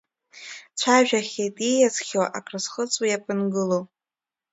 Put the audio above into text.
Дцәажәахьеит ииасхьоу акрызхыҵуа иаԥынгылоу…